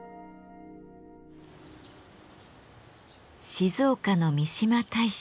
静岡の三嶋大社。